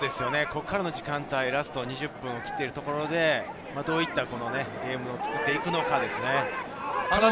ここからの時間帯、ラスト２０分を切っているところで、どういったゲームを作っていくのかですね。